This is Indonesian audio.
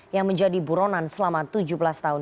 yang menjadi buronan selama tujuh belas tahun